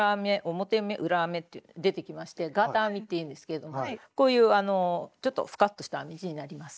表目裏目って出てきまして「ガーター編み」っていうんですけれどもこういうあのちょっとフカッとした編み地になります。